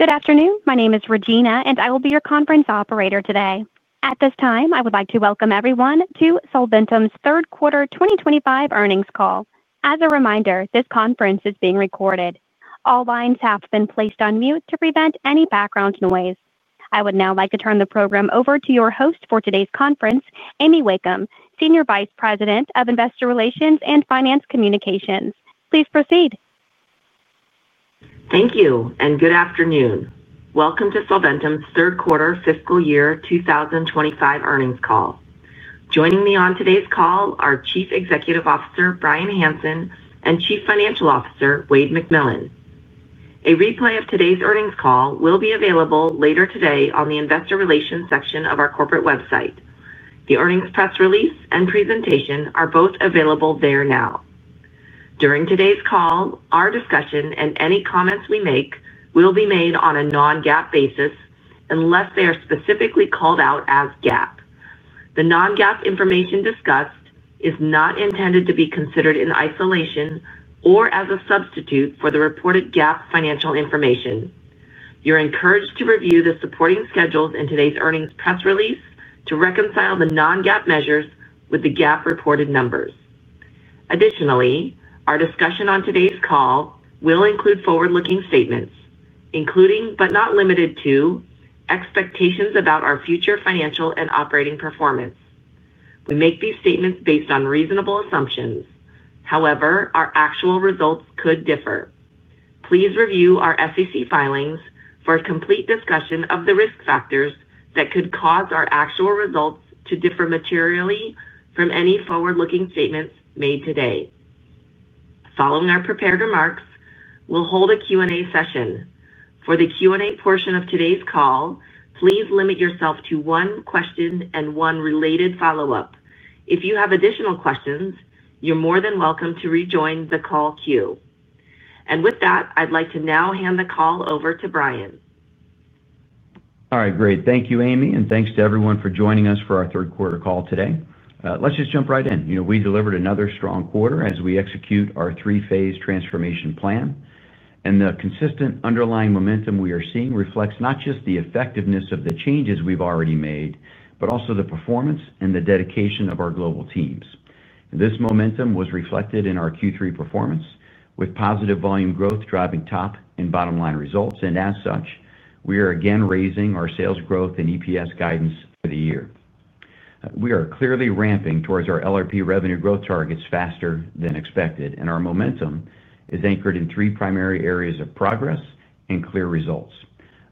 Good afternoon. My name is Regina, and I will be your conference operator today. At this time, I would like to welcome everyone to Solventum's third quarter 2025 earnings call. As a reminder, this conference is being recorded. All lines have been placed on mute to prevent any background noise. I would now like to turn the program over to your host for today's conference, Amy Wakeham, Senior Vice President of Investor Relations and Finance Communications. Please proceed. Thank you, and good afternoon. Welcome to Solventum's third quarter fiscal year 2025 earnings call. Joining me on today's call are Chief Executive Officer Bryan Hanson and Chief Financial Officer Wayde McMillan. A replay of today's earnings call will be available later today on the Investor Relations section of our corporate website. The earnings press release and presentation are both available there now. During today's call, our discussion and any comments we make will be made on a non-GAAP basis unless they are specifically called out as GAAP. The non-GAAP information discussed is not intended to be considered in isolation or as a substitute for the reported GAAP financial information. You're encouraged to review the supporting schedules in today's earnings press release to reconcile the non-GAAP measures with the GAAP reported numbers. Additionally, our discussion on today's call will include forward-looking statements, including but not limited to. Expectations about our future financial and operating performance. We make these statements based on reasonable assumptions. However, our actual results could differ. Please review our SEC filings for a complete discussion of the risk factors that could cause our actual results to differ materially from any forward-looking statements made today. Following our prepared remarks, we will hold a Q&A session. For the Q&A portion of today's call, please limit yourself to one question and one related follow-up. If you have additional questions, you are more than welcome to rejoin the call queue. With that, I would like to now hand the call over to Bryan. All right. Great. Thank you, Amy, and thanks to everyone for joining us for our third quarter call today. Let's just jump right in. We delivered another strong quarter as we execute our three-phase transformation plan. The consistent underlying momentum we are seeing reflects not just the effectiveness of the changes we've already made, but also the performance and the dedication of our global teams. This momentum was reflected in our Q3 performance, with positive volume growth driving top and bottom-line results. As such, we are again raising our sales growth and EPS guidance for the year. We are clearly ramping towards our LRP revenue growth targets faster than expected, and our momentum is anchored in three primary areas of progress and clear results.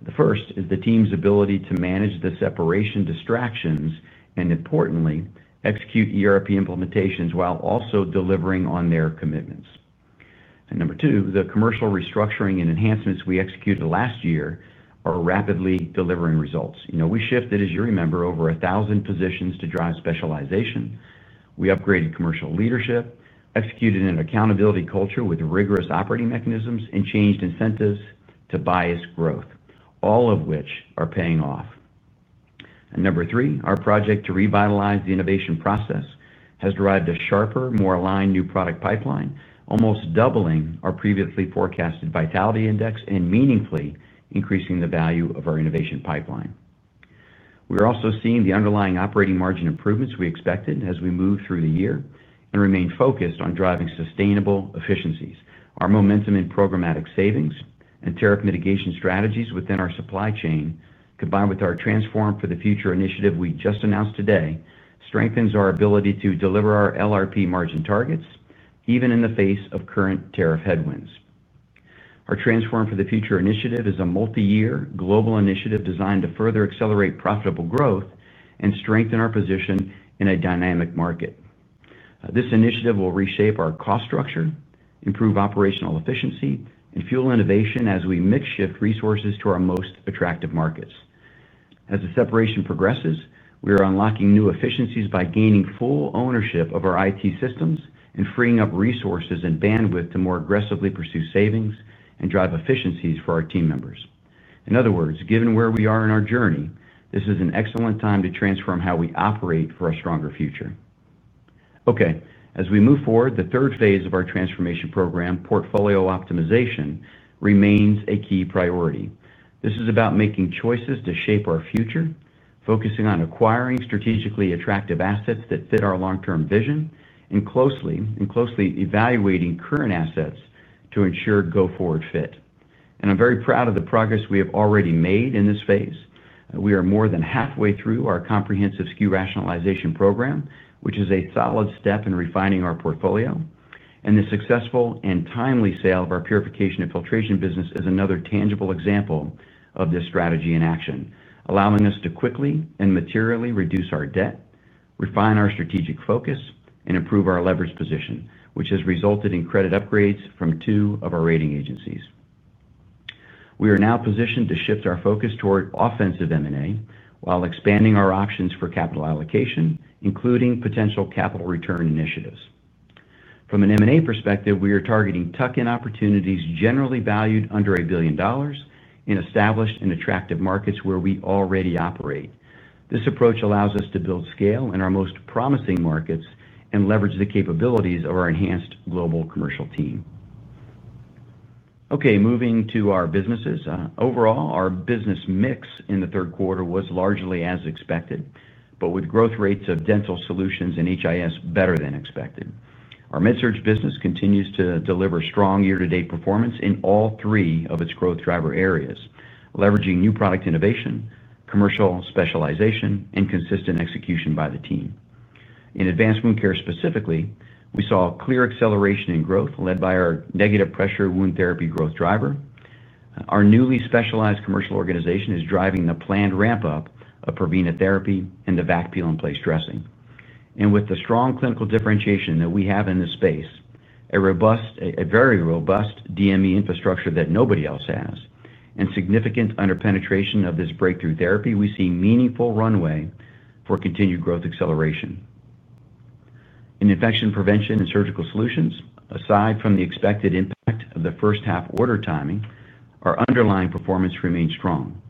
The first is the team's ability to manage the separation distractions and, importantly, execute ERP implementations while also delivering on their commitments. Number two, the commercial restructuring and enhancements we executed last year are rapidly delivering results. We shifted, as you remember, over 1,000 positions to drive specialization. We upgraded commercial leadership, executed an accountability culture with rigorous operating mechanisms, and changed incentives to bias growth, all of which are paying off. Number three, our project to revitalize the innovation process has derived a sharper, more aligned new product pipeline, almost doubling our previously forecasted vitality index and meaningfully increasing the value of our innovation pipeline. We are also seeing the underlying operating margin improvements we expected as we move through the year and remain focused on driving sustainable efficiencies. Our momentum in programmatic savings and tariff mitigation strategies within our supply chain, combined with our Transform for the Future initiative we just announced today, strengthens our ability to deliver our LRP margin targets even in the face of current tariff headwinds. Our Transform for the Future initiative is a multi-year global initiative designed to further accelerate profitable growth and strengthen our position in a dynamic market. This initiative will reshape our cost structure, improve operational efficiency, and fuel innovation as we mix shift resources to our most attractive markets. As the separation progresses, we are unlocking new efficiencies by gaining full ownership of our IT systems and freeing up resources and bandwidth to more aggressively pursue savings and drive efficiencies for our team members. In other words, given where we are in our journey, this is an excellent time to transform how we operate for a stronger future. Okay. As we move forward, the third phase of our transformation program, portfolio optimization, remains a key priority. This is about making choices to shape our future, focusing on acquiring strategically attractive assets that fit our long-term vision, and closely evaluating current assets to ensure go-forward fit. I am very proud of the progress we have already made in this phase. We are more than halfway through our comprehensive SKU rationalization program, which is a solid step in refining our portfolio. The successful and timely sale of our Purification & filtration business is another tangible example of this strategy in action, allowing us to quickly and materially reduce our debt, refine our strategic focus, and improve our leverage position, which has resulted in credit upgrades from two of our rating agencies. We are now positioned to shift our focus toward offensive M&A while expanding our options for capital allocation, including potential capital return initiatives. From an M&A perspective, we are targeting tuck-in opportunities generally valued under $1 billion in established and attractive markets where we already operate. This approach allows us to build scale in our most promising markets and leverage the capabilities of our enhanced global commercial team. Okay. Moving to our businesses. Overall, our business mix in the third quarter was largely as expected, but with growth rates of dental solutions and HIS better than expected. Our MedSurg business continues to deliver strong year-to-date performance in all three of its growth driver areas, leveraging new product innovation, commercial specialization, and consistent execution by the team. In advanced wound care specifically, we saw clear acceleration in growth led by our negative pressure wound therapy growth driver. Our newly specialized commercial organization is driving the planned ramp-up of Prevena therapy and the V.A.C Peel and Place Dressing. With the strong clinical differentiation that we have in this space, a very robust DME infrastructure that nobody else has, and significant under-penetration of this breakthrough therapy, we see a meaningful runway for continued growth acceleration. In infection prevention and surgical solutions, aside from the expected impact of the first-half order timing, our underlying performance remains strong.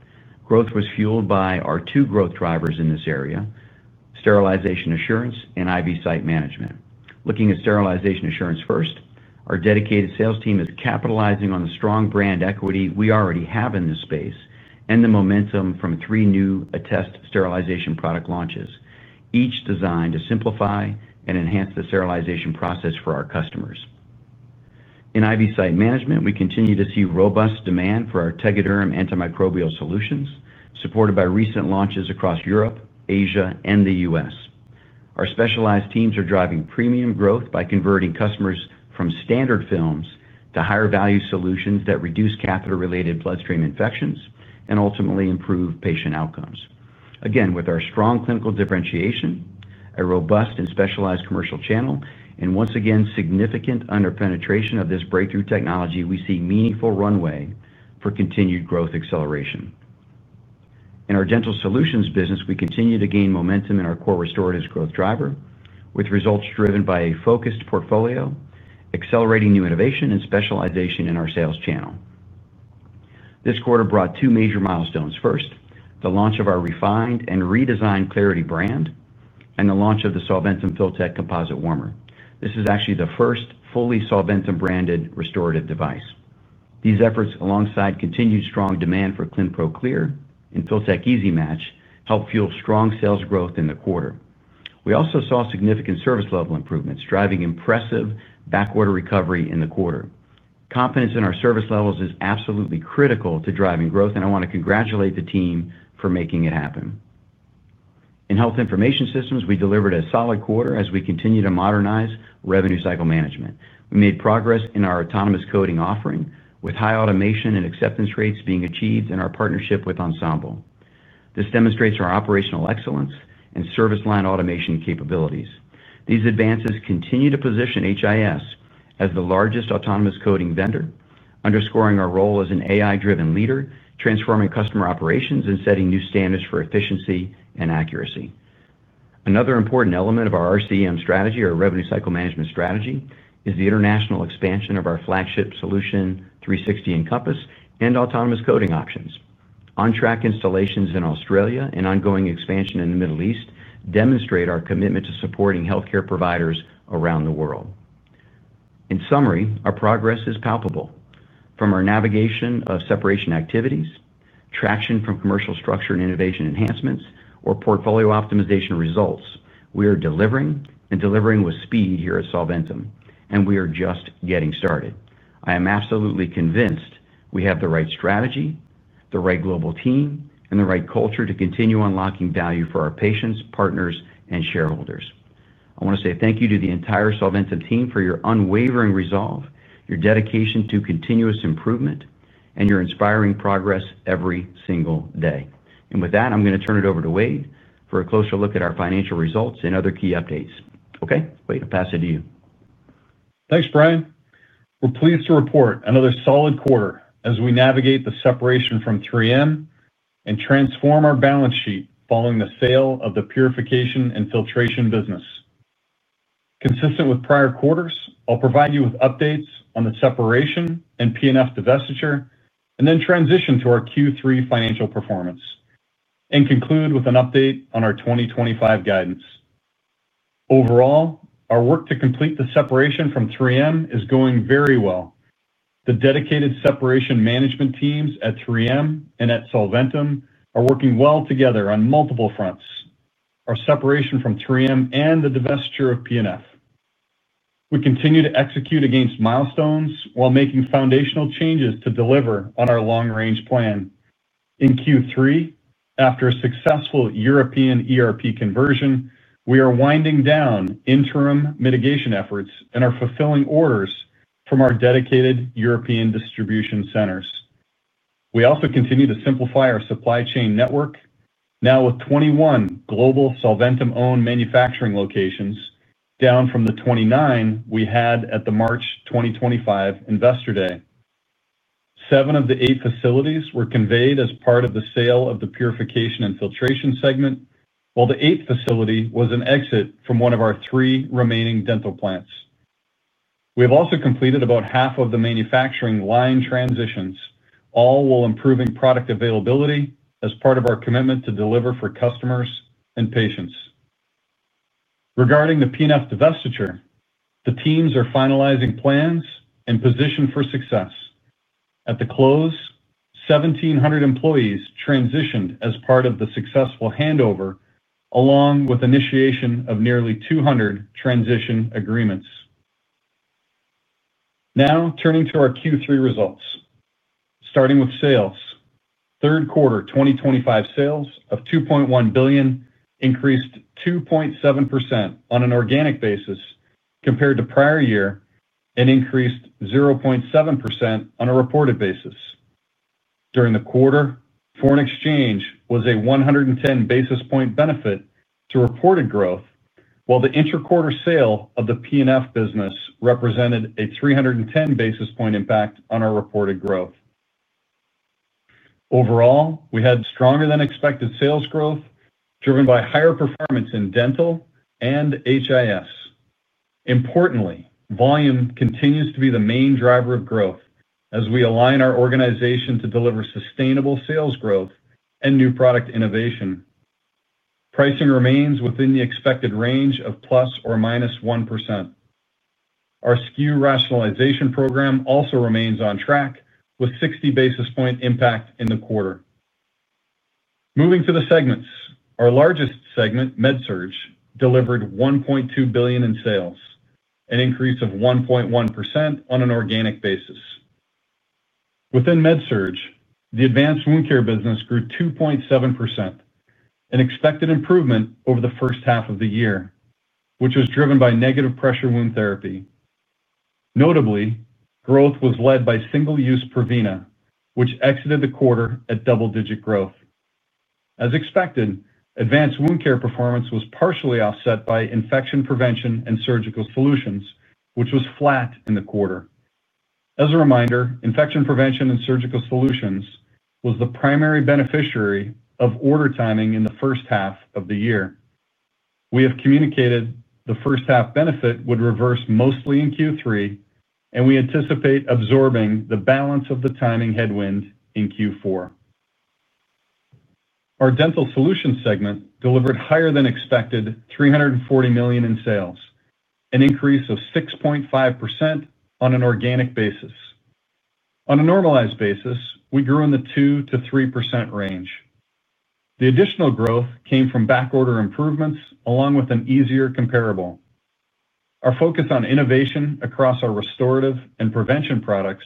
Growth was fueled by our two growth drivers in this area, sterilization assurance and IV site management. Looking at sterilization assurance first, our dedicated sales team is capitalizing on the strong brand equity we already have in this space and the momentum from three new Attest sterilization product launches, each designed to simplify and enhance the sterilization process for our customers. In IV site management, we continue to see robust demand for our Tegaderm Antimicrobial solutions, supported by recent launches across Europe, Asia, and the U.S. Our specialized teams are driving premium growth by converting customers from standard films to higher-value solutions that reduce catheter-related bloodstream infections and ultimately improve patient outcomes. Again, with our strong clinical differentiation, a robust and specialized commercial channel, and once again, significant under-penetration of this breakthrough technology, we see a meaningful runway for continued growth acceleration. In our dental solutions business, we continue to gain momentum in our core restorative growth driver, with results driven by a focused portfolio, accelerating new innovation and specialization in our sales channel. This quarter brought two major milestones. First, the launch of our refined and redesigned Clarity brand and the launch of the Solventum Filtek Composite Warmer. This is actually the first fully Solventum-branded restorative device. These efforts, alongside continued strong demand for Clinpro Clear and Filtek Easy Match, helped fuel strong sales growth in the quarter. We also saw significant service level improvements, driving impressive back-order recovery in the quarter. Confidence in our service levels is absolutely critical to driving growth, and I want to congratulate the team for making it happen. In health information systems, we delivered a solid quarter as we continue to modernize revenue cycle management. We made progress in our autonomous coding offering, with high automation and acceptance rates being achieved in our partnership with Ensemble. This demonstrates our operational excellence and service line automation capabilities. These advances continue to position HIS as the largest autonomous coding vendor, underscoring our role as an AI-driven leader, transforming customer operations, and setting new standards for efficiency and accuracy. Another important element of our RCM strategy, our revenue cycle management strategy, is the international expansion of our flagship solution, 360 Encompass, and autonomous coding options. On-track installations in Australia and ongoing expansion in the Middle East demonstrate our commitment to supporting healthcare providers around the world. In summary, our progress is palpable. From our navigation of separation activities, traction from commercial structure and innovation enhancements, or portfolio optimization results, we are delivering and delivering with speed here at Solventum, and we are just getting started. I am absolutely convinced we have the right strategy, the right global team, and the right culture to continue unlocking value for our patients, partners, and shareholders. I want to say thank you to the entire Solventum team for your unwavering resolve, your dedication to continuous improvement, and your inspiring progress every single day. With that, I'm going to turn it over to Wayde for a closer look at our financial results and other key updates. Okay. Wayde, I'll pass it to you. Thanks, Bryan. We're pleased to report another solid quarter as we navigate the separation from 3M and transform our balance sheet following the sale of the Purification & filtration business. Consistent with prior quarters, I'll provide you with updates on the separation and P&F divestiture, and then transition to our Q3 financial performance and conclude with an update on our 2025 guidance. Overall, our work to complete the separation from 3M is going very well. The dedicated separation management teams at 3M and at Solventum are working well together on multiple fronts: our separation from 3M and the divestiture of P&F. We continue to execute against milestones while making foundational changes to deliver on our long-range plan. In Q3, after a successful European ERP conversion, we are winding down interim mitigation efforts and are fulfilling orders from our dedicated European distribution centers. We also continue to simplify our supply chain network, now with 21 global Solventum-owned manufacturing locations, down from the 29 we had at the March 2024 investor day. Seven of the eight facilities were conveyed as part of the sale of the Purification & filtration segment, while the eighth facility was an exit from one of our three remaining dental plants. We have also completed about half of the manufacturing line transitions, all while improving product availability as part of our commitment to deliver for customers and patients. P&F divestiture, the teams are finalizing plans and positioned for success. At the close, 1,700 employees transitioned as part of the successful handover, along with the initiation of nearly 200 transition agreements. Now, turning to our Q3 results, starting with sales. Third quarter 2025 sales of $2.1 billion increased 2.7% on an organic basis compared to the prior year and increased 0.7% on a reported basis. During the quarter, foreign exchange was a 110 basis point benefit to reported growth, while the intra-quarter sale of the P&F business represented a 310 basis point impact on our reported growth. Overall, we had stronger-than-expected sales growth driven by higher performance in dental and HIS. Importantly, volume continues to be the main driver of growth as we align our organization to deliver sustainable sales growth and new product innovation. Pricing remains within the expected range of ± 1%. Our SKU rationalization program also remains on track with 60 basis point impact in the quarter. Moving to the segments, our largest segment, MedSurg, delivered $1.2 billion in sales, an increase of 1.1% on an organic basis. Within MedSurg, the advanced wound care business grew 2.7%. An expected improvement over the first half of the year, which was driven by negative pressure wound therapy. Notably, growth was led by single-use Prevena, which exited the quarter at double-digit growth. As expected, advanced wound care performance was partially offset by infection prevention and surgical solutions, which was flat in the quarter. As a reminder, infection prevention and surgical solutions were the primary beneficiaries of order timing in the first half of the year. We have communicated the first-half benefit would reverse mostly in Q3, and we anticipate absorbing the balance of the timing headwind in Q4. Our Dental solutions segment delivered higher-than-expected $340 million in sales, an increase of 6.5% on an organic basis. On a normalized basis, we grew in the 2-3% range. The additional growth came from back-order improvements along with an easier comparable. Our focus on innovation across our restorative and prevention products,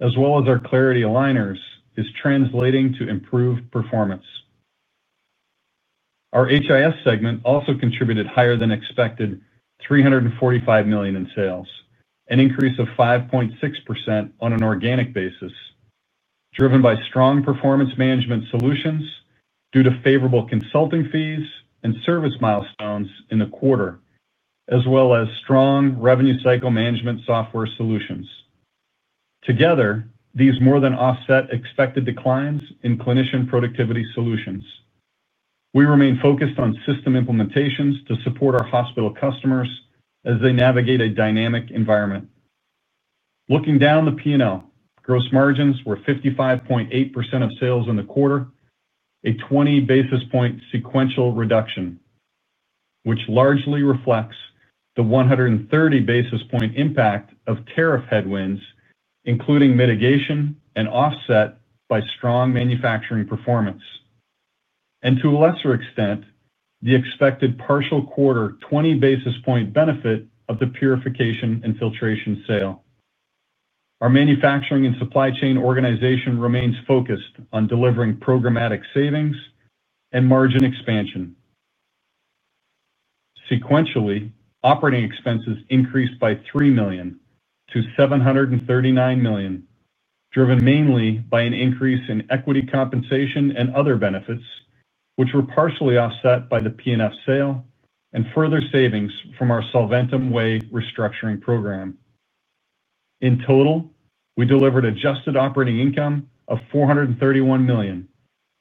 as well as our Clarity Aligners, is translating to improved performance. Our HIS segment also contributed higher-than-expected $345 million in sales, an increase of 5.6% on an organic basis, driven by strong performance management solutions due to favorable consulting fees and service milestones in the quarter, as well as strong revenue cycle management software solutions. Together, these more than offset expected declines in clinician productivity solutions. We remain focused on system implementations to support our hospital customers as they navigate a dynamic environment. Looking down the P&L, gross margins were 55.8% of sales in the quarter, a 20 basis point sequential reduction, which largely reflects the 130 basis point impact of tariff headwinds, including mitigation and offset by strong manufacturing performance. To a lesser extent, the expected partial quarter 20 basis point benefit of the Purification & filtration sale. Our manufacturing and supply chain organization remains focused on delivering programmatic savings and margin expansion. Sequentially, operating expenses increased by $3 million-$739 million, driven mainly by an increase in equity compensation and other benefits, which were partially offset by the P&F sale and further savings from our Solventum Way restructuring program. In total, we delivered adjusted operating income of $431 million,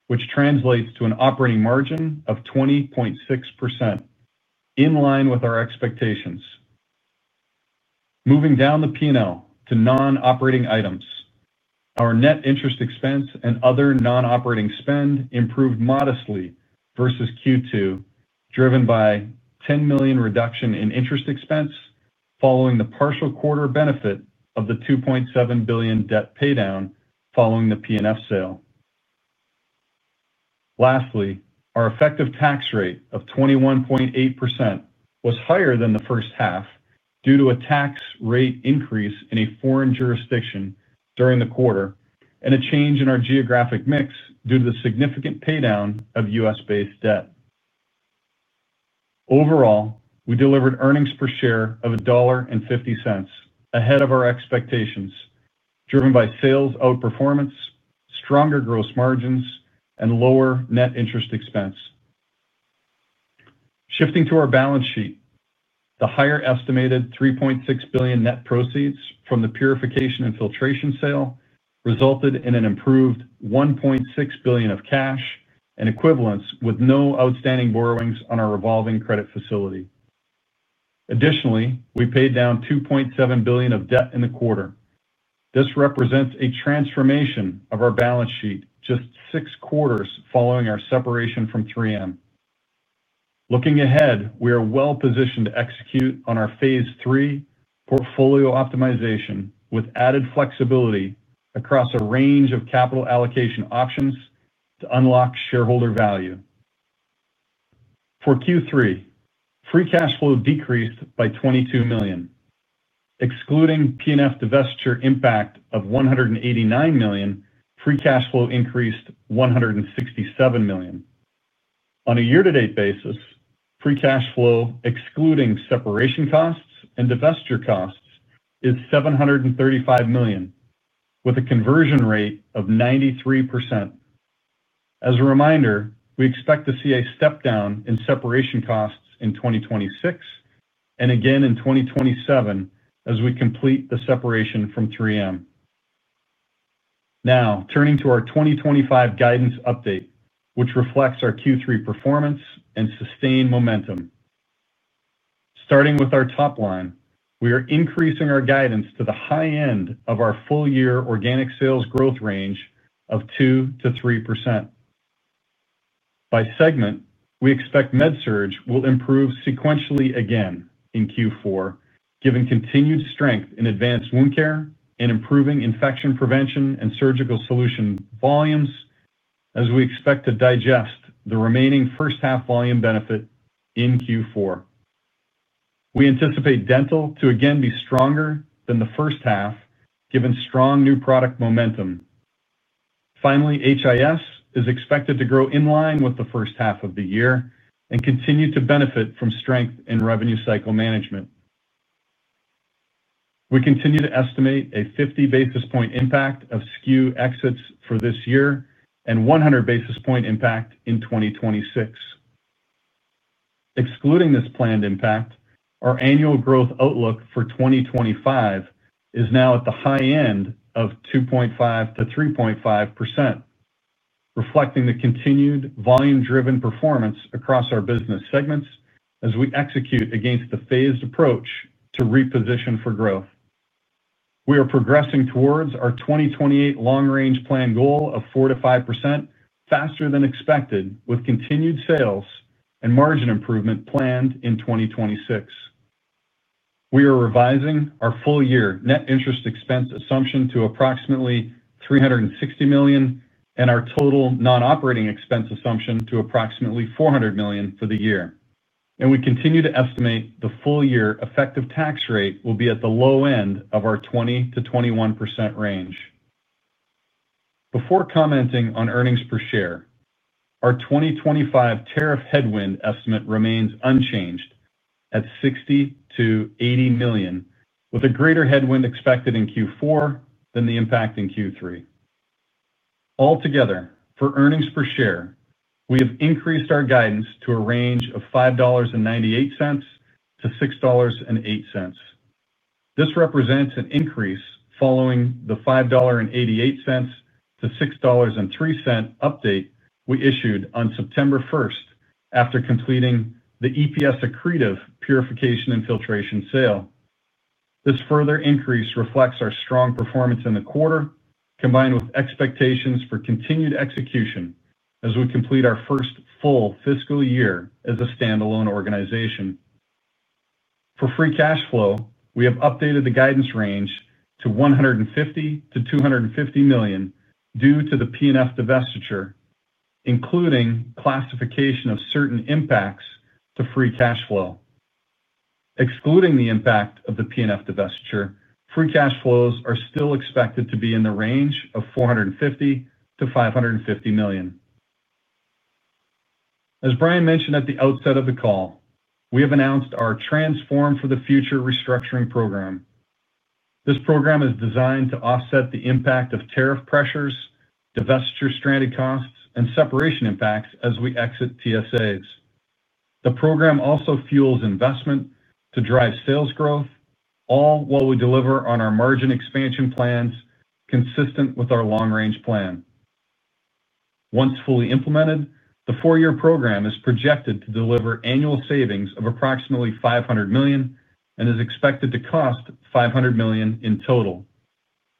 which translates to an operating margin of 20.6%. In line with our expectations. Moving down the P&L to non-operating items, our net interest expense and other non-operating spend improved modestly versus Q2, driven by a $10 million reduction in interest expense following the partial quarter benefit of the $2.7 billion debt paydown following the P&F sale. Lastly, our effective tax rate of 21.8% was higher than the first half due to a tax rate increase in a foreign jurisdiction during the quarter and a change in our geographic mix due to the significant paydown of U.S.-based debt. Overall, we delivered earnings per share of $1.50 ahead of our expectations, driven by sales outperformance, stronger gross margins, and lower net interest expense. Shifting to our balance sheet, the higher-estimated $3.6 billion net proceeds from the Purification & filtration sale resulted in an improved $1.6 billion of cash and equivalents with no outstanding borrowings on our revolving credit facility. Additionally, we paid down $2.7 billion of debt in the quarter. This represents a transformation of our balance sheet just six quarters following our separation from 3M. Looking ahead, we are well-positioned to execute on our phase three portfolio optimization with added flexibility across a range of capital allocation options to unlock shareholder value. For Q3, free cash flow decreased by $22 million. Excluding P&F divestiture impact of $189 million, free cash flow increased $167 million. On a year-to-date basis, free cash flow, excluding separation costs and divestiture costs, is $735 million, with a conversion rate of 93%. As a reminder, we expect to see a step down in separation costs in 2026 and again in 2027 as we complete the separation from 3M. Now, turning to our 2025 guidance update, which reflects our Q3 performance and sustained momentum. Starting with our top line, we are increasing our guidance to the high end of our full-year organic sales growth range of 2%-3%. By segment, we expect MedSurg will improve sequentially again in Q4, given continued strength in advanced wound care and improving infection prevention and surgical solution volumes as we expect to digest the remaining first-half volume benefit in Q4. We anticipate dental to again be stronger than the first half, given strong new product momentum. Finally, HIS is expected to grow in line with the first half of the year and continue to benefit from strength in revenue cycle management. We continue to estimate a 50 basis point impact of SKU exits for this year and 100 basis point impact in 2026. Excluding this planned impact, our annual growth outlook for 2025 is now at the high end of 2.5%-3.5%. Reflecting the continued volume-driven performance across our business segments as we execute against the phased approach to reposition for growth. We are progressing towards our 2028 long-range plan goal of 4%-5% faster than expected, with continued sales and margin improvement planned in 2026. We are revising our full-year net interest expense assumption to approximately $360 million and our total non-operating expense assumption to approximately $400 million for the year. We continue to estimate the full-year effective tax rate will be at the low end of our 20%-21% range. Before commenting on earnings per share, our 2025 tariff headwind estimate remains unchanged at $60 million-$80 million, with a greater headwind expected in Q4 than the impact in Q3. Altogether, for earnings per share, we have increased our guidance to a range of $5.98-$6.08. This represents an increase following the $5.88-$6.03 update we issued on September 1st after completing the EPS accretive Purification & filtration sale. This further increase reflects our strong performance in the quarter, combined with expectations for continued execution as we complete our first full fiscal year as a standalone organization. For free cash flow, we have updated the guidance range to $150 million-$250 million due to the P&F divestiture, including classification of certain impacts to free cash flow. Excluding the impact of the P&F divestiture, free cash flows are still expected to be in the range of $450 million-$550 million. As Bryan mentioned at the outset of the call, we have announced our Transform for the Future restructuring program. This program is designed to offset the impact of tariff pressures, divestiture stranded costs, and separation impacts as we exit TSAs. The program also fuels investment to drive sales growth, all while we deliver on our margin expansion plans consistent with our long-range plan. Once fully implemented, the four-year program is projected to deliver annual savings of approximately $500 million and is expected to cost $500 million in total.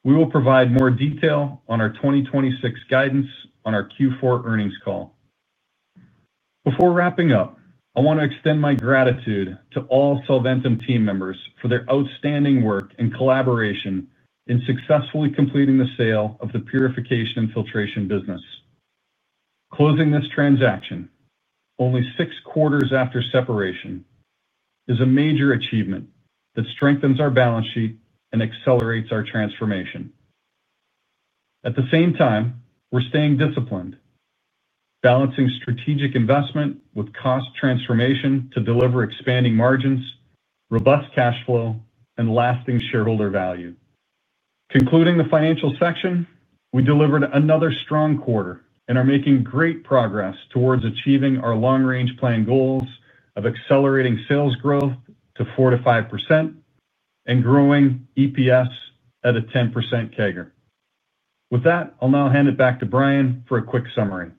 We will provide more detail on our 2026 guidance on our Q4 earnings call. Before wrapping up, I want to extend my gratitude to all Solventum team members for their outstanding work and collaboration in successfully completing the sale of the Purification & filtration business. Closing this transaction, only six quarters after separation, is a major achievement that strengthens our balance sheet and accelerates our transformation. At the same time, we're staying disciplined. Balancing strategic investment with cost transformation to deliver expanding margins, robust cash flow, and lasting shareholder value. Concluding the financial section, we delivered another strong quarter and are making great progress towards achieving our long-range plan goals of accelerating sales growth to 4%-5% and growing EPS at a 10% CAGR. With that, I'll now hand it back to Bryan for a quick summary.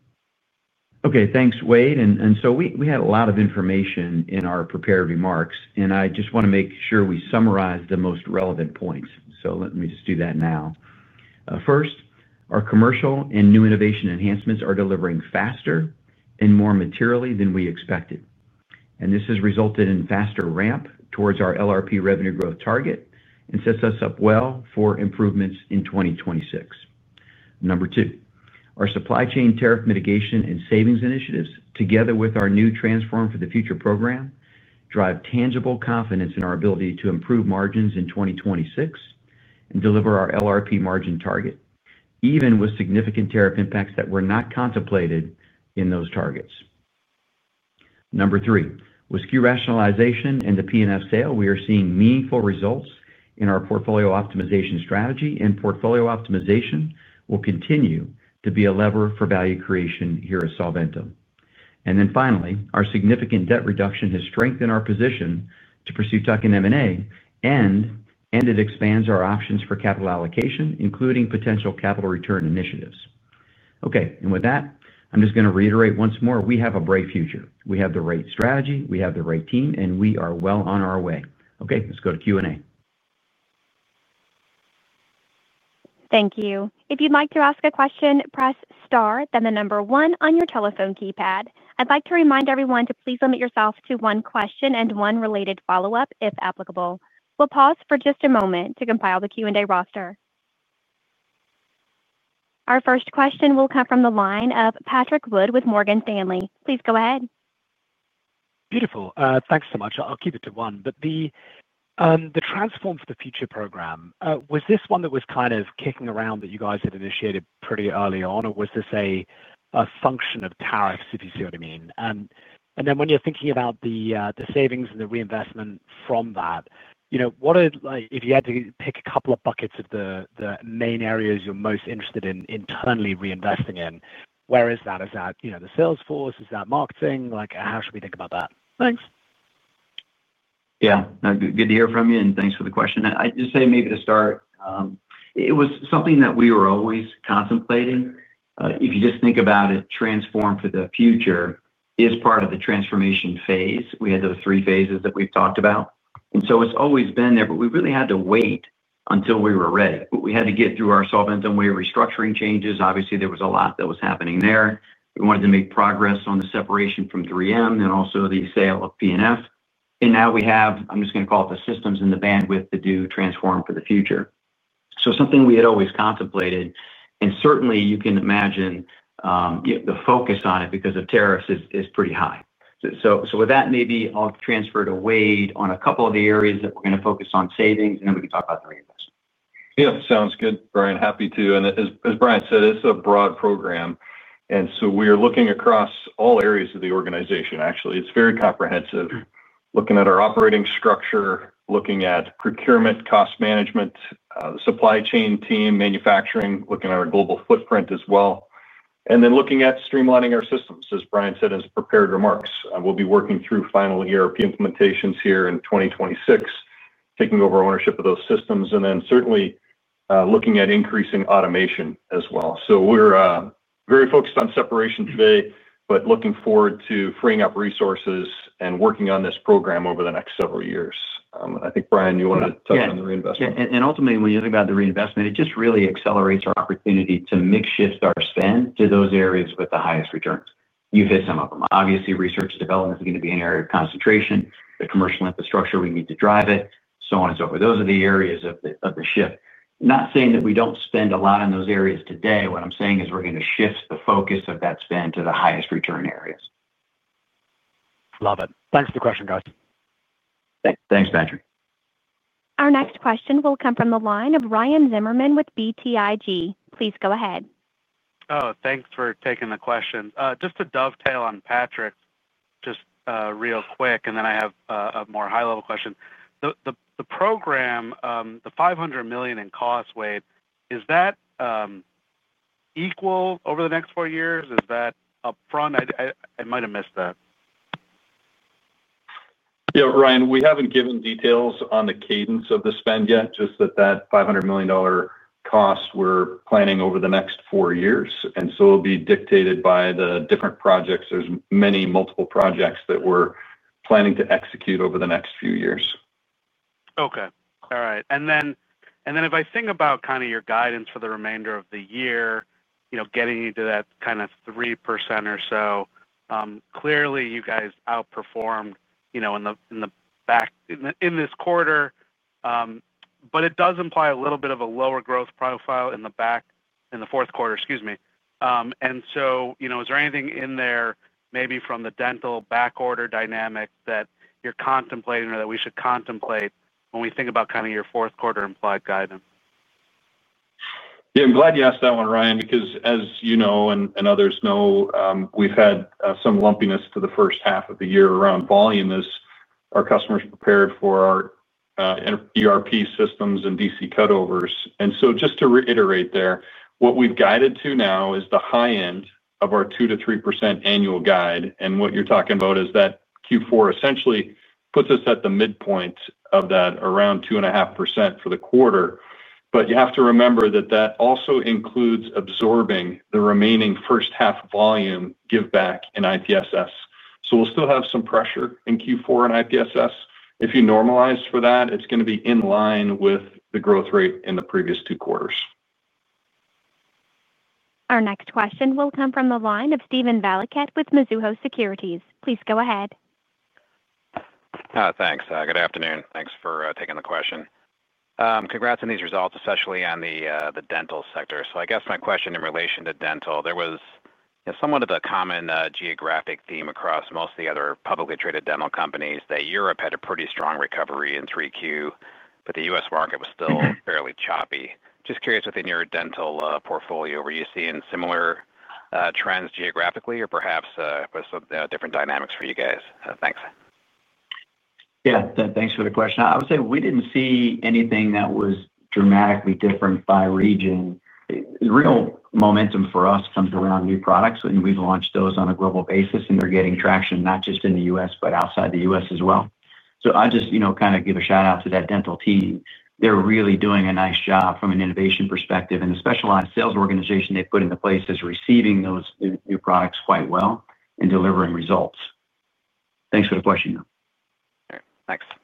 Okay. Thanks, Wayde. We had a lot of information in our prepared remarks, and I just want to make sure we summarize the most relevant points. Let me just do that now. First, our commercial and new innovation enhancements are delivering faster and more materially than we expected. This has resulted in faster ramp towards our LRP revenue growth target and sets us up well for improvements in 2026. Number two, our supply chain tariff mitigation and savings initiatives, together with our new Transform for the Future program, drive tangible confidence in our ability to improve margins in 2026 and deliver our LRP margin target, even with significant tariff impacts that were not contemplated in those targets. Number three, with SKU rationalization and the P&F sale, we are seeing meaningful results in our portfolio optimization strategy, and portfolio optimization will continue to be a lever for value creation here at Solventum. Finally, our significant debt reduction has strengthened our position to pursue tuck-in M&A, and it expands our options for capital allocation, including potential capital return initiatives. Okay. With that, I'm just going to reiterate once more, we have a bright future. We have the right strategy, we have the right team, and we are well on our way. Okay. Let's go to Q&A. Thank you. If you'd like to ask a question, press star, then the number one on your telephone keypad. I'd like to remind everyone to please limit yourself to one question and one related follow-up, if applicable. We'll pause for just a moment to compile the Q&A roster. Our first question will come from the line of Patrick Wood with Morgan Stanley. Please go ahead. Beautiful. Thanks so much. I'll keep it to one. The Transform for the Future program, was this one that was kind of kicking around that you guys had initiated pretty early on, or was this a function of tariffs, if you see what I mean? When you're thinking about the savings and the reinvestment from that, if you had to pick a couple of buckets of the main areas you're most interested in internally reinvesting in, where is that? Is that the sales force? Is that marketing? How should we think about that? Thanks. Yeah. Good to hear from you, and thanks for the question. I'd just say maybe to start. It was something that we were always contemplating. If you just think about it, Transform for the Future is part of the transformation phase. We had those three phases that we've talked about. It's always been there, but we really had to wait until we were ready. We had to get through our Solventum Way restructuring changes. Obviously, there was a lot that was happening there. We wanted to make progress on the separation from 3M and also the sale of P&F. Now we have, I'm just going to call it the systems and the bandwidth to do Transform for the Future. Something we had always contemplated, and certainly you can imagine. The focus on it because of tariffs is pretty high. With that, maybe I'll transfer to Wayde on a couple of the areas that we're going to focus on savings, and then we can talk about the reinvestment. Yeah. Sounds good, Bryan. Happy to. As Bryan said, it's a broad program. We are looking across all areas of the organization, actually. It's very comprehensive, looking at our operating structure, looking at procurement, cost management, the supply chain team, manufacturing, looking at our global footprint as well. Then looking at streamlining our systems, as Bryan said in his prepared remarks. We'll be working through final year of implementations here in 2026, taking over ownership of those systems, and certainly looking at increasing automation as well. We're very focused on separation today, but looking forward to freeing up resources and working on this program over the next several years. I think, Bryan, you wanted to touch on the reinvestment. Yeah. Ultimately, when you think about the reinvestment, it just really accelerates our opportunity to make shift our spend to those areas with the highest returns. You've hit some of them. Obviously, research and development is going to be an area of concentration. The commercial infrastructure, we need to drive it, so on and so forth. Those are the areas of the shift. Not saying that we do not spend a lot in those areas today. What I am saying is we are going to shift the focus of that spend to the highest return areas. Love it. Thanks for the question, guys. Thanks, Patrick. Our next question will come from the line of Ryan Zimmerman with BTIG. Please go ahead. Oh, thanks for taking the question. Just to dovetail on Patrick. Just real quick, and then I have a more high-level question. The program. The $500 million in cost, Wayde, is that equal over the next four years? Is that upfront? I might have missed that. Yeah, Ryan, we have not given details on the cadence of the spend yet, just that that $500 million cost we are planning over the next four years. It will be dictated by the different projects. There are many multiple projects that we are planning to execute over the next few years. Okay. All right. If I think about kind of your guidance for the remainder of the year, getting into that kind of 3% or so, clearly you guys outperformed in the back in this quarter. It does imply a little bit of a lower growth profile in the back in the fourth quarter, excuse me. Is there anything in there maybe from the dental back order dynamic that you're contemplating or that we should contemplate when we think about kind of your fourth quarter implied guidance? Yeah. I'm glad you asked that one, Ryan, because as you know and others know, we've had some lumpiness to the first half of the year around volume as our customers prepared for our ERP systems and DC cutovers. Just to reiterate there, what we've guided to now is the high end of our 2%-3% annual guide. What you're talking about is that Q4 essentially puts us at the midpoint of that around 2.5% for the quarter. You have to remember that that also includes absorbing the remaining first half volume give back in IPSS. We'll still have some pressure in Q4 in IPSS. If you normalize for that, it's going to be in line with the growth rate in the previous two quarters. Our next question will come from the line of Steven Valiquette with Mizuho Securities. Please go ahead. Thanks. Good afternoon. Thanks for taking the question. Congrats on these results, especially on the dental sector. I guess my question in relation to dental, there was somewhat of a common geographic theme across most of the other publicly traded dental companies that Europe had a pretty strong recovery in 3Q, but the U.S. market was still fairly choppy. Just curious, within your dental portfolio, were you seeing similar trends geographically or perhaps different dynamics for you guys? Thanks. Yeah. Thanks for the question. I would say we did not see anything that was dramatically different by region. Real momentum for us comes around new products, and we have launched those on a global basis, and they are getting traction not just in the U.S., but outside the U.S. as well. I just kind of give a shout-out to that dental team. They are really doing a nice job from an innovation perspective, and the specialized sales organization they put into place is receiving those new products quite well and delivering results. Thanks for the question. All right. Thanks.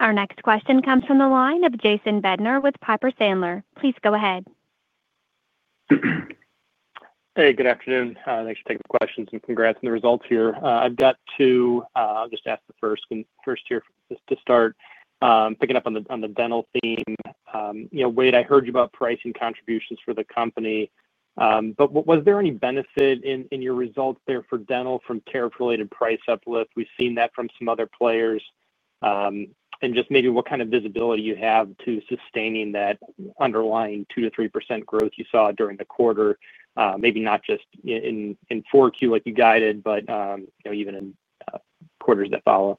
Our next question comes from the line of Jason Bednar with Piper Sandler. Please go ahead. Hey, good afternoon. Thanks for taking the questions and congrats on the results here. I've got two. I'll just ask the first here to start. Picking up on the dental theme. Wayde, I heard you about pricing contributions for the company. Was there any benefit in your results there for dental from tariff-related price uplift? We've seen that from some other players. And just maybe what kind of visibility you have to sustaining that underlying 2-3% growth you saw during the quarter, maybe not just in Q4 like you guided, but even in quarters that follow.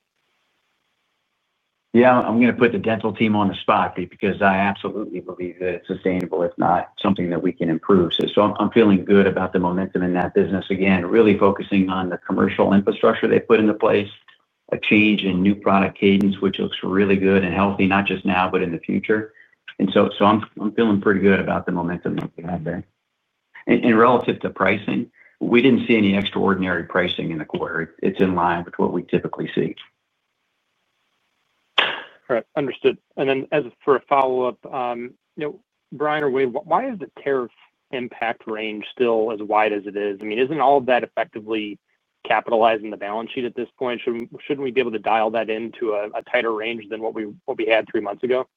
Yeah. I'm going to put the dental team on the spot because I absolutely believe that it's sustainable, if not something that we can improve. I'm feeling good about the momentum in that business again, really focusing on the commercial infrastructure they put into place, a change in new product cadence, which looks really good and healthy, not just now, but in the future. I'm feeling pretty good about the momentum that we have there. Relative to pricing, we didn't see any extraordinary pricing in the quarter. It's in line with what we typically see. All right. Understood. For a follow-up, Bryan or Wayde, why is the tariff impact range still as wide as it is? I mean, is not all of that effectively capitalizing the balance sheet at this point? Should not we be able to dial that into a tighter range than what we had three months ago?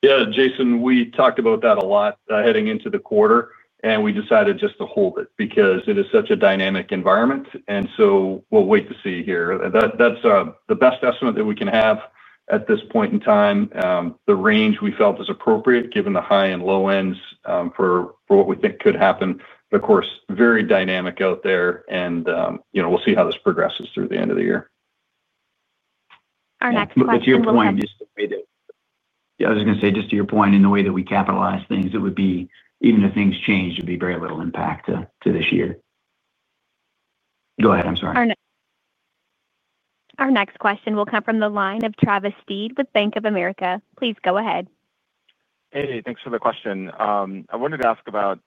Yeah. Jason, we talked about that a lot heading into the quarter, and we decided just to hold it because it is such a dynamic environment. We will wait to see here. That is the best estimate that we can have at this point in time. The range we felt is appropriate given the high and low ends for what we think could happen. Of course, very dynamic out there, and we will see how this progresses through the end of the year. Our next question will come. Yeah. I was just going to say, just to your point, in the way that we capitalize things, it would be, even if things changed, it would be very little impact to this year. Go ahead. I'm sorry. Our next question will come from the line of Travis Steed with Bank of America. Please go ahead. Hey, thanks for the question. I wanted to ask about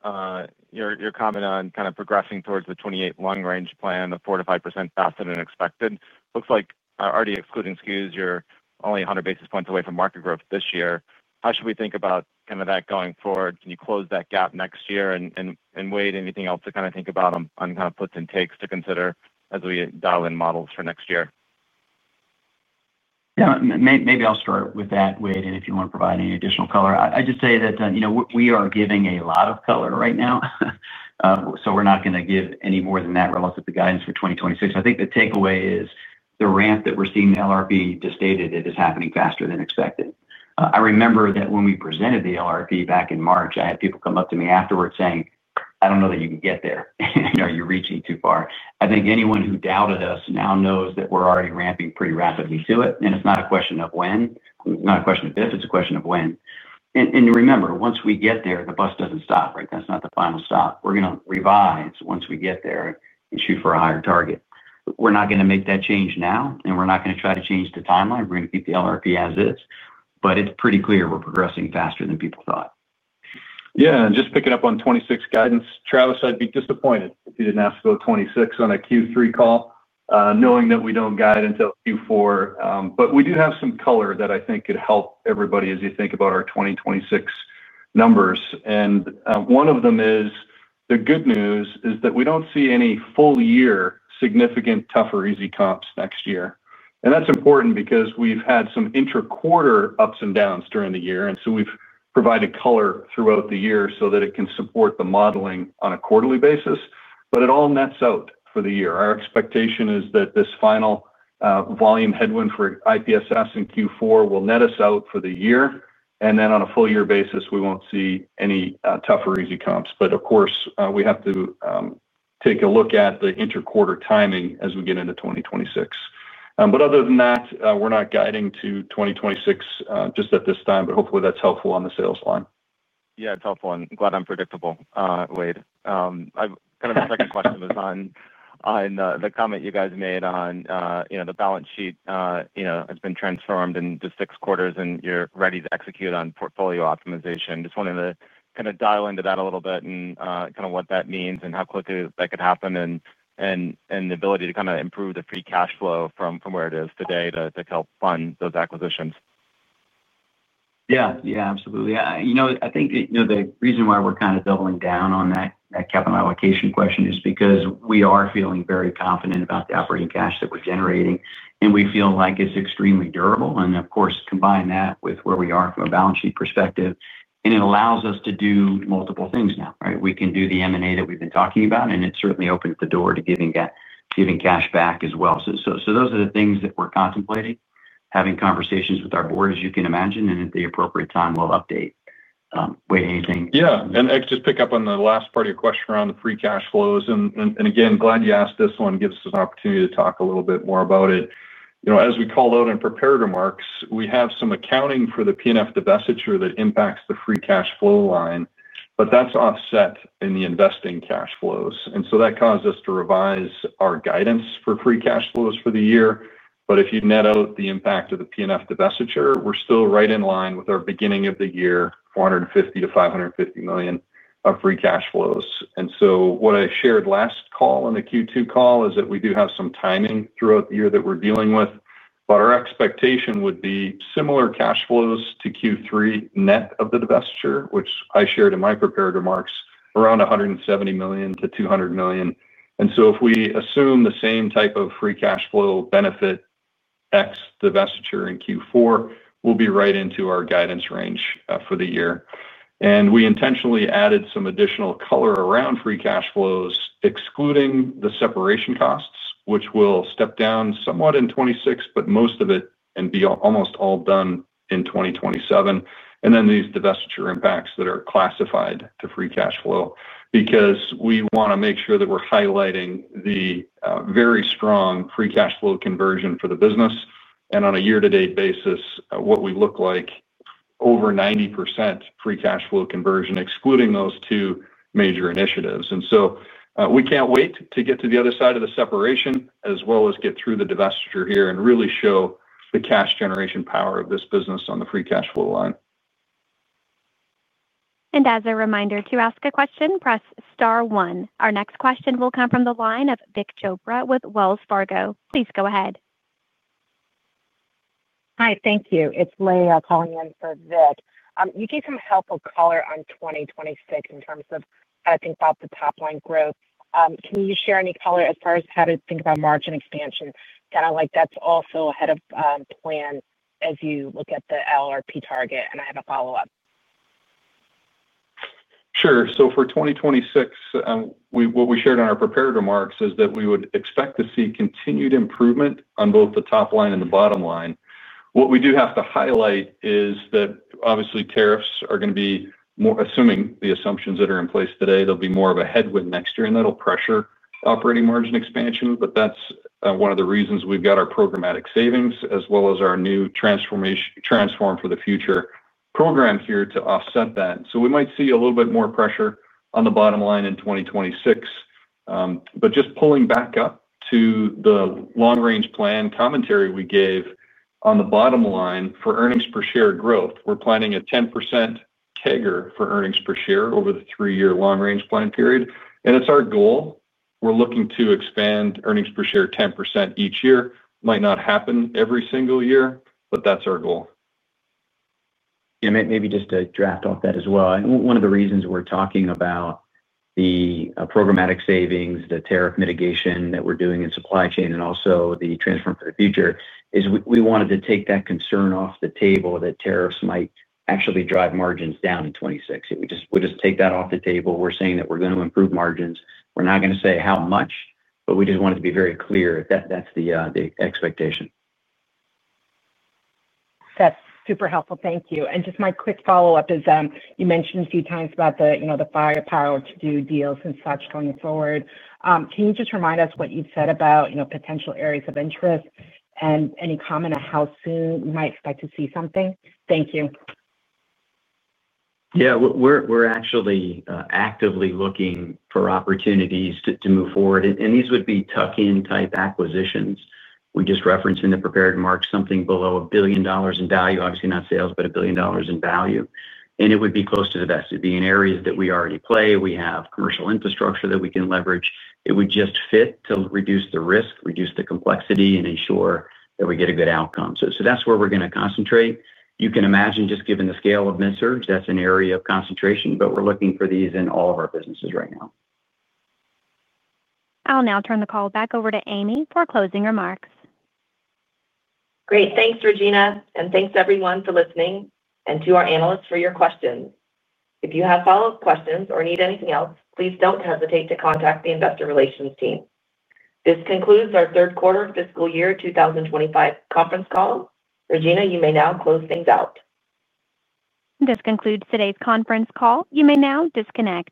your comment on kind of progressing towards the 2028 long-range plan, the 4%-5% faster than expected. Looks like, already excluding SKUs, you're only 100 basis points away from market growth this year. How should we think about kind of that going forward? Can you close that gap next year? Wayde, anything else to kind of think about on kind of puts and takes to consider as we dial in models for next year? Maybe I'll start with that, Wayde, and if you want to provide any additional color. I just say that we are giving a lot of color right now. We're not going to give any more than that relative to guidance for 2026. I think the takeaway is the ramp that we're seeing, the LRP just stated, it is happening faster than expected. I remember that when we presented the LRP back in March, I had people come up to me afterwards saying, "I don't know that you can get there. You're reaching too far." I think anyone who doubted us now knows that we're already ramping pretty rapidly to it. It's not a question of if. It's a question of when. Remember, once we get there, the bus doesn't stop, right? That's not the final stop. We're going to revise once we get there and shoot for a higher target. We're not going to make that change now, and we're not going to try to change the timeline. We're going to keep the LRP as is. It is pretty clear we're progressing faster than people thought. Yeah. And just picking up on 2026 guidance, Travis, I'd be disappointed if you didn't ask for 2026 on a Q3 call, knowing that we don't guide until Q4. We do have some color that I think could help everybody as you think about our 2026 numbers. One of them is, the good news is that we don't see any full-year significant tougher easy comps next year. That's important because we've had some intra-quarter ups and downs during the year. We've provided color throughout the year so that it can support the modeling on a quarterly basis. It all nets out for the year. Our expectation is that this final volume headwind for IPSS in Q4 will net us out for the year. On a full-year basis, we won't see any tougher easy comps. Of course, we have to. Take a look at the intra-quarter timing as we get into 2026. Other than that, we're not guiding to 2026 just at this time, but hopefully that's helpful on the sales line. Yeah, it's helpful. Glad I'm predictable, Wayde. Kind of the second question was on the comment you guys made on the balance sheet has been transformed in just six quarters, and you're ready to execute on portfolio optimization. Just wanted to kind of dial into that a little bit and kind of what that means and how quickly that could happen. The ability to kind of improve the free cash flow from where it is today to help fund those acquisitions. Yeah. Yeah, absolutely. I think the reason why we're kind of doubling down on that capital allocation question is because we are feeling very confident about the operating cash that we're generating, and we feel like it's extremely durable. Of course, combine that with where we are from a balance sheet perspective, and it allows us to do multiple things now, right? We can do the M&A that we've been talking about, and it certainly opens the door to giving cash back as well. Those are the things that we're contemplating, having conversations with our board, as you can imagine, and at the appropriate time, we'll update. Yeah. I just pick up on the last part of your question around the free cash flows. Again, glad you asked this one. Gives us an opportunity to talk a little bit more about it. As we call out in prepared remarks, we have some accounting for the P&F divestiture that impacts the free cash flow line, but that's offset in the investing cash flows. That caused us to revise our guidance for free cash flows for the year. If you net out the impact of the P&F divestiture, we're still right in line with our beginning of the year, $450 million-$550 million of free cash flows. What I shared last call in the Q2 call is that we do have some timing throughout the year that we're dealing with. Our expectation would be similar cash flows to Q3 net of the divestiture, which I shared in my prepared remarks, around $170 million-$200 million. If we assume the same type of free cash flow benefit, excluding divestiture in Q4, we'll be right into our guidance range for the year. We intentionally added some additional color around free cash flows, excluding the separation costs, which will step down somewhat in 2026, but most of it can be almost all done in 2027. These divestiture impacts are classified to free cash flow because we want to make sure that we're highlighting the very strong free cash flow conversion for the business. On a year-to-date basis, we look like over 90% free cash flow conversion, excluding those two major initiatives. We can't wait to get to the other side of the separation as well as get through the divestiture here and really show the cash generation power of this business on the free cash flow line. As a reminder to ask a question, press star one. Our next question will come from the line of Vik Chopra with Wells Fargo. Please go ahead. Hi, thank you. It's Leah calling in for Vik. You gave some helpful color on 2026 in terms of how to think about the top-line growth. Can you share any color as far as how to think about margin expansion? Kind of like that's also ahead of plan as you look at the LRP target, and I have a follow-up. Sure. For 2026, what we shared on our prepared remarks is that we would expect to see continued improvement on both the top line and the bottom line. What we do have to highlight is that obviously tariffs are going to be, assuming the assumptions that are in place today, there will be more of a headwind next year, and that will pressure operating margin expansion. That is one of the reasons we have our programmatic savings as well as our new Transform for the Future program here to offset that. We might see a little bit more pressure on the bottom line in 2026. Just pulling back up to the long-range plan commentary we gave on the bottom line for earnings per share growth, we are planning a 10% CAGR for earnings per share over the three-year long-range plan period, and it is our goal. We're looking to expand earnings per share 10% each year. Might not happen every single year, but that's our goal. Maybe just a draft off that as well. One of the reasons we're talking about the programmatic savings, the tariff mitigation that we're doing in supply chain, and also the transform for the future is we wanted to take that concern off the table that tariffs might actually drive margins down in 2026. We just take that off the table. We're saying that we're going to improve margins. We're not going to say how much, but we just wanted to be very clear that that's the expectation. That's super helpful. Thank you. Just my quick follow-up is you mentioned a few times about the firepower to do deals and such going forward. Can you just remind us what you've said about potential areas of interest and any comment on how soon you might expect to see something? Thank you. Yeah. We're actually actively looking for opportunities to move forward. These would be tuck-in type acquisitions. We just referenced in the prepared remarks something below $1 billion in value, obviously not sales, but $1 billion in value. It would be close to the vest. It would be in areas that we already play. We have commercial infrastructure that we can leverage. It would just fit to reduce the risk, reduce the complexity, and ensure that we get a good outcome. That's where we're going to concentrate. You can imagine just given the scale of MedSurg, that's an area of concentration, but we're looking for these in all of our businesses right now. I'll now turn the call back over to Amy for closing remarks. Great. Thanks, Regina. Thanks, everyone, for listening and to our analysts for your questions. If you have follow-up questions or need anything else, please do not hesitate to contact the investor relations team. This concludes our third quarter of fiscal year 2025 conference call. Regina, you may now close things out. This concludes today's conference call. You may now disconnect.